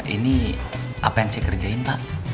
ini apa yang saya kerjain pak